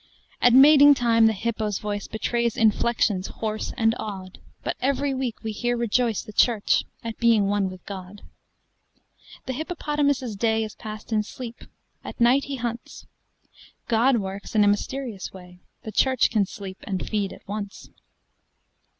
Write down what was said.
At mating time the hippo's voiceBetrays inflexions hoarse and odd, But every week we hear rejoiceThe Church, at being one with God.The hippopotamus's dayIs passed in sleep; at night he hunts; God works in a mysterious way—The Church can sleep and feed at once.